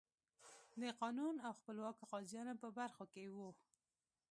د قانون او خپلواکو قاضیانو په برخو کې وو.